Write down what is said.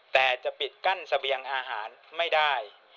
แต่จะปิดกั้นเสบียงอาหารไม่ได้